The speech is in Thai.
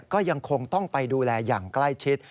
ก็ยังคงต้องไปดูแลอย่างใกล้ชิด